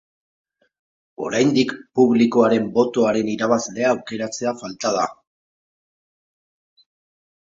Oraindik publikoaren botoaren irabazlea aukeratzea falta da.